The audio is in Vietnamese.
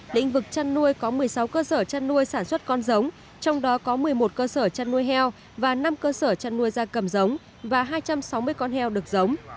lĩnh vực chăn nuôi có một mươi sáu cơ sở chăn nuôi sản xuất con giống trong đó có một mươi một cơ sở chăn nuôi heo và năm cơ sở chăn nuôi gia cầm giống và hai trăm sáu mươi con heo được giống